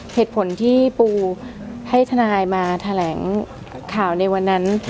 เหตุผลที่ปูให้ทนายมาแถลงข่าวในวันนั้น